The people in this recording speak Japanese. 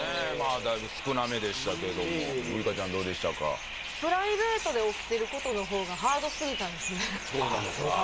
だいぶ少なめでしたけどもウイカちゃんどうでしたかプライベートで起きてることのほうがハードすぎたんですねああ